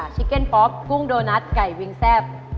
ชิเก็นป๊อกกุ้งโดนัทไก่วิงแซ่บ